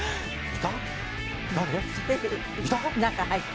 いた？